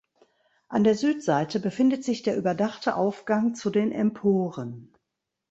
An der Südseite befindet sich der überdachte Aufgang zu den Emporen.